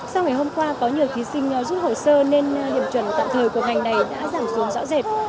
sau ngày hôm qua có nhiều thí sinh rút hồ sơ nên điểm chuẩn tạm thời của ngành này đã giảm xuống rõ rệt